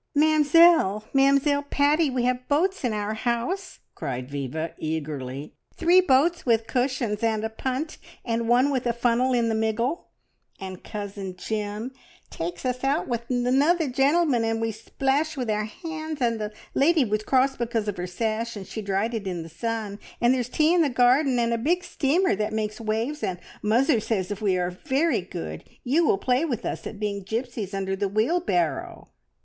"Mamzelle! Mamzelle Paddy, we have boats in our house!" cried Viva eagerly. "Three boats with cushions, and a punt, and one with a funnel in the miggle. And Cousin Jim takes us out with the 'nother gentleman, and we splash with our hands, and the lady was cross because of her sash, and she dried it in the sun. And there's tea in the garden, and a big steamer that makes waves, and muzzer says if we are very good you will play with us at being gipsies under the wheel barrow."